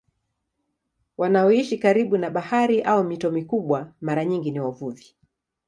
Wanaoishi karibu na bahari au mito mikubwa mara nyingi ni wavuvi.